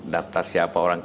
daftar siapa orang